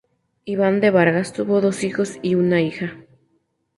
Iván de Vargas tuvo dos hijos y una hija.